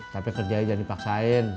tapi kerjanya jangan dipaksain